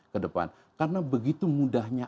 ke depan karena begitu mudahnya